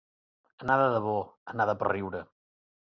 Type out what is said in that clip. Anar de debò, anar de per riure.